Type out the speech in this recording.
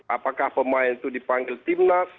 apakah pemain itu dipanggil timnas